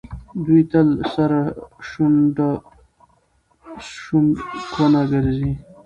دوی تل سره شونډکونه ګرځي.